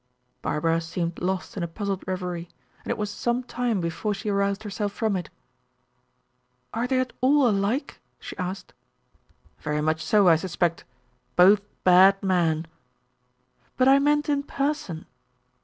Barbara seemed lost in a puzzled reverie, and it was some time before she aroused herself from it. "Are they at all alike?" she asked. "Very much so, I suspect. Both bad men." "But I meant in person."